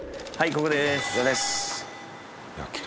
ここです。